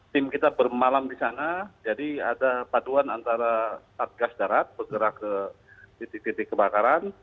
tim kita bermalam di sana jadi ada paduan antara satgas darat bergerak ke titik titik kebakaran